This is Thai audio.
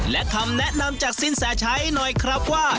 และคำแนะนำจากสินแสชัยหน่อยครับว่า